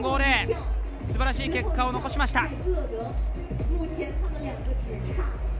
すばらしい結果を残しました。